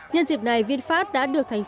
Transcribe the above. nhân dịp này vinfast đã được tham gia